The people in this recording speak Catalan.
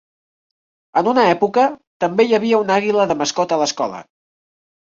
En una època, també hi havia una àguila de mascota a l'escola.